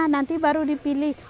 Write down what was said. nanti baru dipilih